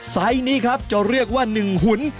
ไซส์นี้ครับจะเรียกว่า๑หุ่น